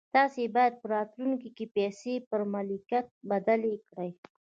تاسې بايد په راتلونکي کې پيسې پر ملکيت بدلې کړئ.